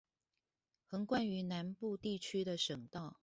橫貫於南部地區的省道